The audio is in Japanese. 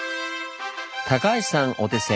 高橋さんお手製！